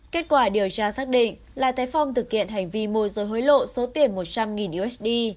kết quả điều tra xác định lê thái phong thực hiện hành vi môi giới hối lộ số tiền một trăm linh usd